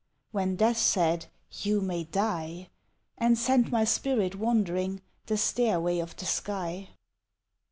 (When Death said, "You may die") And sent my spirit wandering The stairway of the sky.